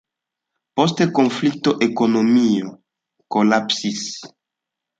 Post konflikto ekonomio kolapsis.